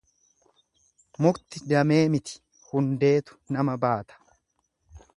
Mukti damee miti hundeetu nama baata.